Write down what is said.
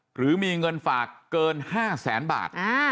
หรือมีเงินฝากเกิน๕แสนบาท